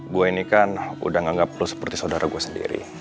gue ini kan udah nggak perlu seperti saudara gue sendiri